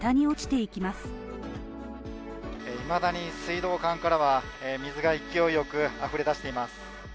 いまだに水道管からは水が勢いよく溢れ出しています。